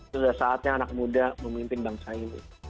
sudah saatnya anak muda memimpin bangsa ini